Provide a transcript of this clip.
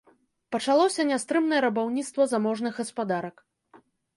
Пачалося нястрымнае рабаўніцтва заможных гаспадарак.